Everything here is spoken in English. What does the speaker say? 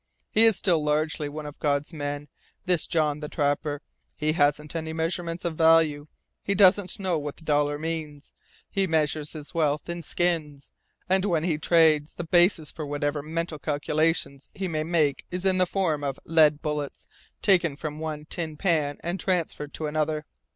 He is still largely one of God's men, this John the Trapper. He hasn't any measurements of value. He doesn't know what the dollar means. He measures his wealth in 'skins,' and when he trades the basis for whatever mental calculations he may make is in the form of lead bullets taken from one tin pan and transferred to another.